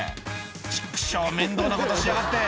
「チクショ面倒なことしやがって」